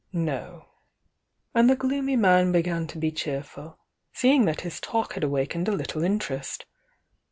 ,,, "No." And the gloomy man began to be cheer ful, seeing that his talk had awakened a little in terest.